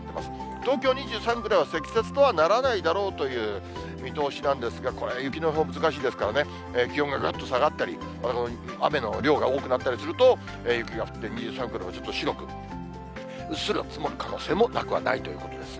東京２３区では積雪とはならないだろうという見通しなんですが、これ、雪の予報難しいですからね、気温がぐっと下がったり、雨の量が多くなったりすると、雪が降って、２３区でもちょっと白く、うっすら白く積もる可能性もなくはないということですね。